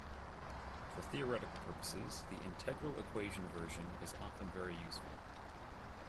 For theoretical purposes, the integral equation version is often very useful.